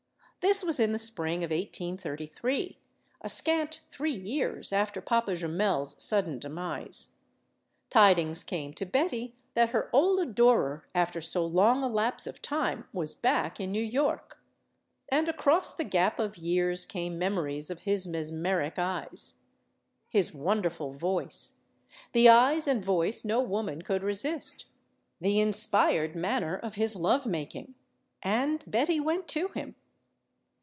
This was in the spring of 1833, a scant three years after Papa Jumel's sudden demise. Tidings came to Betty that her old adorer, after so long a lapse of time, was back in New York. And across the gap of years came memories of his mesmeric eyes, his wonderful voice the eyes and voice no woman could resist the inspired manner of his love making. And Betty went to him.